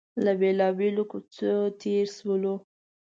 له بېلابېلو کوڅو تېر شولو.